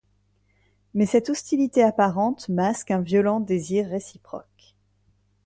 Mais cette hostilité apparente masque un violent désir réciproque.